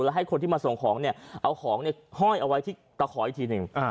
แล้วให้คนที่มาส่งของเนี่ยเอาของห้อยเอาไว้ที่ตะขออีกทีหนึ่ง